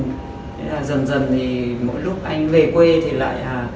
thế là dần dần thì mỗi lúc anh về quê thì lại